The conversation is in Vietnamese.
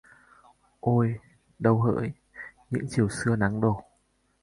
Ôi! Đâu hỡi? Những chiều xưa nắng đổ